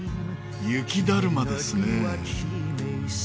雪だるまですねえ。